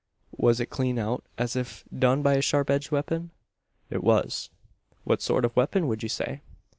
"Was it a clean out as if done by a sharp edged weapon?" "It was." "What sort of weapon would you say?"